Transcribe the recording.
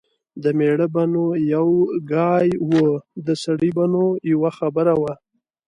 د مېړه به نو یو ګای و . د سړي به نو یوه خبره وه